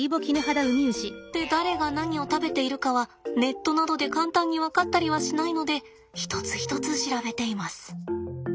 で誰が何を食べているかはネットなどで簡単に分かったりはしないので一つ一つ調べています。